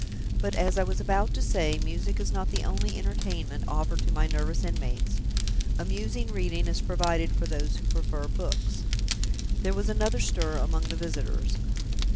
But, as I was about to say, music is not the only entertainment offered to my nervous inmates. Amusing reading is provided for those who prefer books." There was another stir among the visitors.